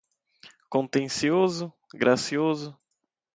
contencioso, gracioso